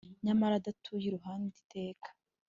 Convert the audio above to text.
Nyamara adutuye iruhande iteka